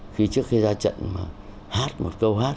khi trước khi ra trận mà hát một câu hát